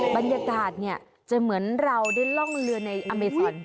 บรรยากาศเนี่ยจะเหมือนเราได้ล่องเรือในอเมซอน